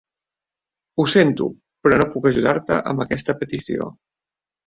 Ho sento, però no puc ajudar-te amb aquesta petició.